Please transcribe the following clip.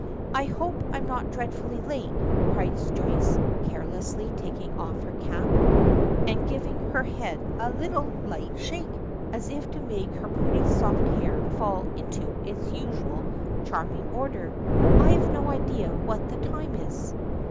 "I hope I'm not dreadfully late," cries Joyce, carelessly, taking off her cap, and giving her head a little light shake, as if to make her pretty soft hair fall into its usual charming order. "I have no idea what the time is."